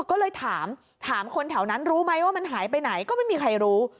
ก็เลยถามถามคนแถวนั้นรู้ไหมว่ามันหายไปไหนก็ไม่มีใครรู้